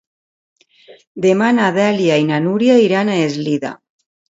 Demà na Dèlia i na Núria iran a Eslida.